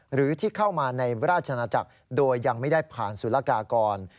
หรือที่เข้ามาในราชนาจักรโดยยังไม่ได้ผ่านสุรกากร